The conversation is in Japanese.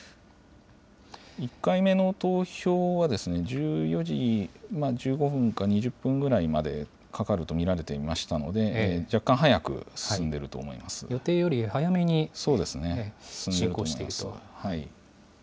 １回目の投票は、１４時１５分か２０分ぐらいまでかかると見られていましたので、予定より早めに進行していると。